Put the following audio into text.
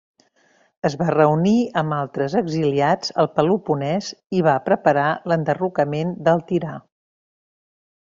Es va reunir amb altres exiliats al Peloponès i va preparar l'enderrocament del tirà.